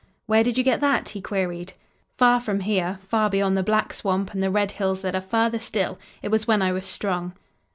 "Where did you get that?" he queried. "Far from here, far beyond the black swamp and the red hills that are farther still. It was when I was strong."